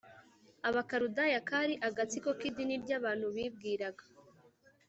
Abakaludaya kari agatsiko k idini ry abantu bibwiraga